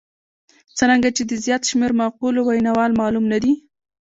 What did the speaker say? څرنګه چې د زیات شمېر مقولو ویناوال معلوم نه دي.